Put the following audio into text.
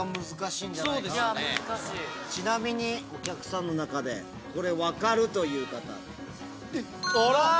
ちなみにお客さんの中でこれ分かるという方。